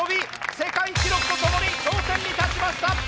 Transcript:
世界記録とともに頂点に立ちました！